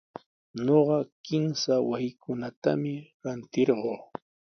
Ñuqa kimsa wasikunatami rantirquu.